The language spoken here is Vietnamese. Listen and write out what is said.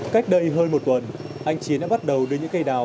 cách đây hơn một tuần anh chiến đã bắt đầu đưa những cây đào